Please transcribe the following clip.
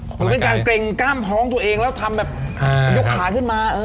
เหมือนเป็นการเกร็งกล้ามท้องตัวเองแล้วทำแบบยกขาขึ้นมา